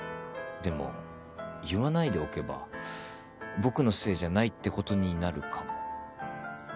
でも言わないでおけば僕のせいじゃないってことになるかも。